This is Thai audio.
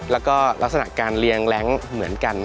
แล้วก็ลักษณะการเลี้ยงแร้งเหมือนกัน